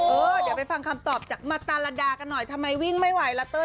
เออเดี๋ยวไปฟังคำตอบจากมาตาลดากันหน่อยทำไมวิ่งไม่ไหวละเต้ย